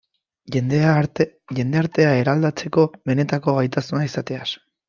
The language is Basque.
Jendartea eraldatzeko benetako gaitasuna izateaz.